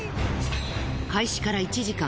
開始から１時間。